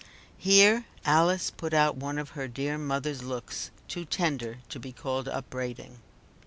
Here Alice put out one of her dear mother's looks, too tender to be called upbraiding.